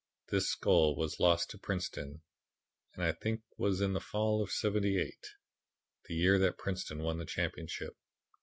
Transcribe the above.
This goal was lost to Princeton, and I think was in the fall of '78, the year that Princeton won the championship.